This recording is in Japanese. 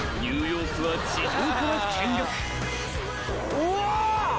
うわ！